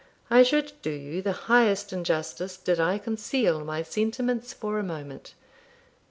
I should do you the highest injustice did I conceal my sentiments for a moment.